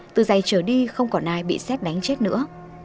từ giây trời đi không còn ai bị xét đánh chết nữa